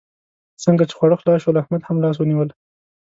څنګه چې خواړه خلاص شول؛ احمد هم لاس ونيول.